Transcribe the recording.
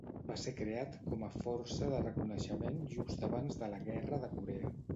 Va ser creat com a força de reconeixement just abans de la Guerra de Corea.